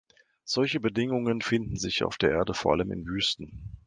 Solche Bedingungen finden sich auf der Erde vor allem in Wüsten.